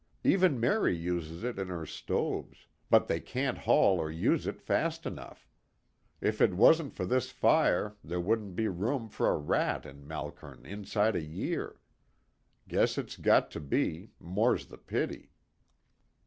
Even Mary uses it in her stoves, but they can't haul or use it fast enough. If it wasn't for this fire there wouldn't be room for a rat in Malkern inside a year. Guess it's got to be, more's the pity."